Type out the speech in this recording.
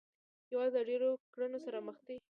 هېواد له ډېرو کړاوونو سره مخ دی